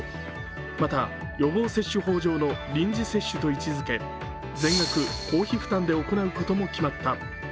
また予防接種法上の臨時接種と位置づけ全額公費負担で行うことも決まった。